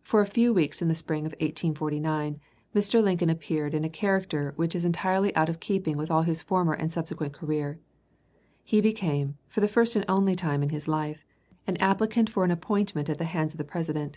For a few weeks in the spring of 1849 Mr. Lincoln appears in a character which is entirely out of keeping with all his former and subsequent career. He became, for the first and only time in his life, an applicant for an appointment at the hands of the President.